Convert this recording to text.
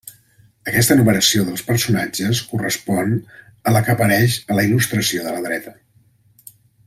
Aquesta numeració dels personatges correspon a la que apareix a la il·lustració de la dreta.